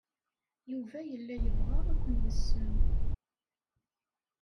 Yuba yella yebɣa ad ken-yessen.